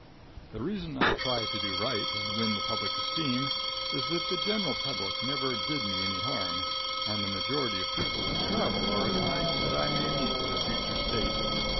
"The reason I try to do right and win the public esteem is that the general public never did me any harm and the majority of people who travel are a kind that I may meet in a future state.